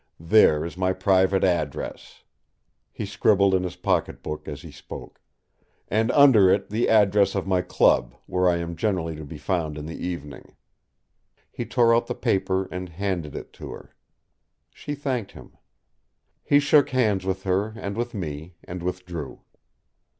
There is my private address," he scribbled in his pocket book as he spoke, "and under it the address of my club, where I am generally to be found in the evening." He tore out the paper and handed it to her. She thanked him. He shook hands with her and with me and withdrew.